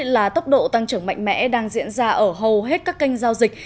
là tốc độ tăng trưởng mạnh mẽ đang diễn ra ở hầu hết các kênh giao dịch